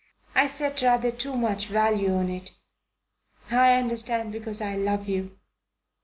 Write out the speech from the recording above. I set rather too much value on it. I understand because I love you."